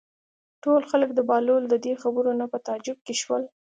ټول خلک د بهلول د دې خبرو نه په تعجب کې شول.